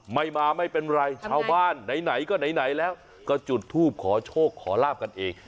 ไม่มาไม่เป็นไรชาวบ้านไหนก็ไหนแล้วก็จุดทูบขอโชคขอลาบกันเอง